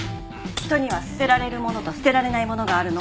人には捨てられるものと捨てられないものがあるの。